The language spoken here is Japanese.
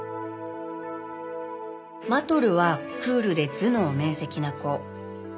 マトルはクールで頭脳明晰な子。